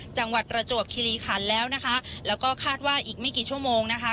ประจวบคิริขันแล้วนะคะแล้วก็คาดว่าอีกไม่กี่ชั่วโมงนะคะ